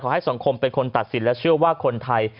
ให้สังคมเป็นคนตัดสินและเชื่อว่าคนไทย